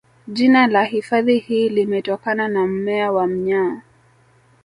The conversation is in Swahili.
Jina la hifadhi hii limetokana na mmea wa mnyaa